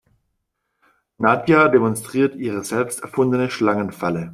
Nadja demonstriert ihre selbst erfundene Schlangenfalle.